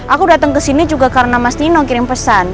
aku datang ke sini juga karena mas dino kirim pesan